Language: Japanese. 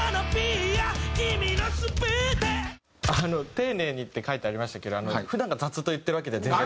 「丁寧に」って書いてありましたけど普段が雑と言ってるわけでは全然。